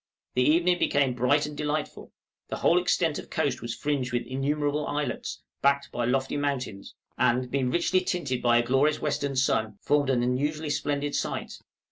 The evening became bright and delightful; the whole extent of coast was fringed with innumerable islets, backed by lofty mountains, and, being richly tinted by a glorious western sun, formed an unusually splendid sight.